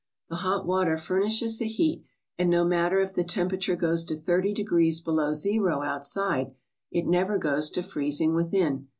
The hot water furnishes the heat, and no matter if the temperature goes to thirty degrees below zero outside it never goes to freezing within.